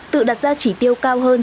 tự đặt ra chỉ tiêu cao hơn